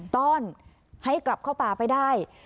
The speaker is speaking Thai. ต้อนให้กลับเข้าป่าไปได้